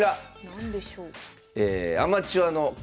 何でしょう。